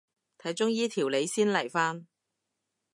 睇中醫調理先嚟返